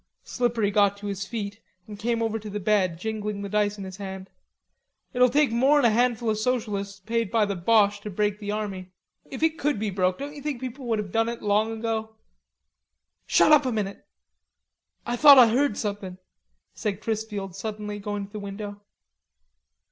Slippery got to his feet and came over to the bed, jingling the dice in his hand. "It'll take more'n a handful o' socialists paid by the Boches to break the army. If it could be broke, don't ye think people would have done it long ago?" "Shut up a minute. Ah thought Ah heard somethin'," said Chrisfield suddenly, going to the window.